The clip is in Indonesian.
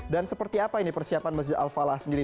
dan seperti apa ini persiapan masjid al falah sendiri